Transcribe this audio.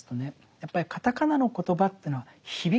やっぱりカタカナのコトバっていうのは響くんですよね。